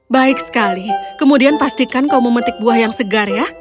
baik sekali kemudian pastikan kau memetik buah yang segar ya